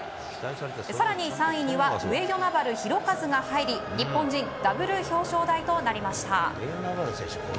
更に、３位には上与那原寛和が入り日本人ダブル表彰台となりました。